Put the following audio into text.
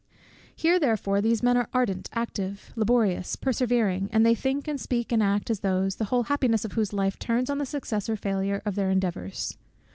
Here therefore these men are ardent, active, laborious, persevering, and they think, and speak, and act, as those, the whole happiness of whose life turns on the success or failure of their endeavours.